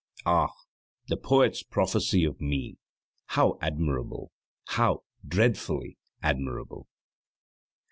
Ah, the poet's prophecy of Me how admirable, how dreadfully admirable!